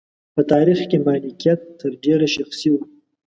په تاریخ کې مالکیت تر ډېره شخصي و.